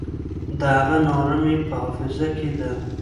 د هغه ناره مي په حافظه کي ده.